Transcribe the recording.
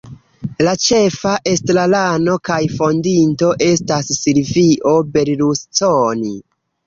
La ĉefa estrarano kaj fondinto estas Silvio Berlusconi.